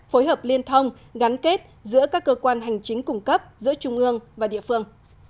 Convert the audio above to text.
phối hợp liên thông gắn kết giữa các cơ quan hành chính cung cấp giữa trung ương và địa phương